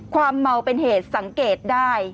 ความเมาเป็นเหตุสังเกตได้